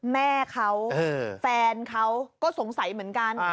แม่เขาแฟนเขาก็สงสัยเหมือนกัน